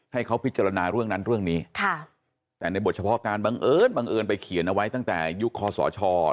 ให้เขาพิจารณาเรื่องนั้นเรื่องนี้ค่ะแต่ในบทเฉพาะการบังเอิญบังเอิญไปเขียนเอาไว้ตั้งแต่ยุคคอสช